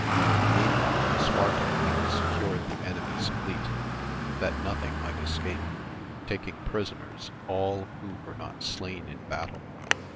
Meantime lasuarte had secured the enemies fleet that nothing might escape, taking prisoners all who were not slain in battle.